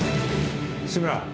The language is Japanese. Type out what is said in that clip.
志村！